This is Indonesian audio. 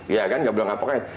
iya kan gak boleh ngapain